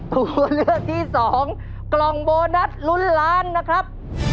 ตัวเลือกที่สองกล่องโบนัสลุ้นล้านนะครับ